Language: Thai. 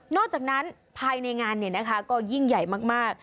อกจากนั้นภายในงานก็ยิ่งใหญ่มาก